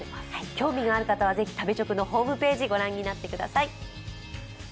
興味がある方は是非食べチョクホームページご覧になってください。